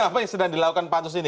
apa yang sedang dilakukan pansus ini